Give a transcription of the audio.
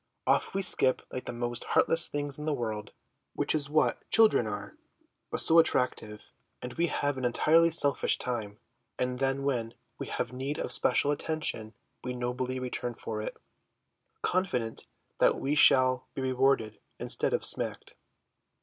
Off we skip like the most heartless things in the world, which is what children are, but so attractive; and we have an entirely selfish time, and then when we have need of special attention we nobly return for it, confident that we shall be rewarded instead of smacked.